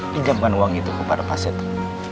pinjamkan uang itu kepada pak seto